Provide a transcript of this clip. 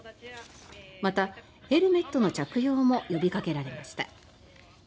また、ヘルメットの着用も呼びかけられました。